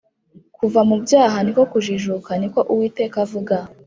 kuva mubyaha niko kujijuka niko uwiteka avuga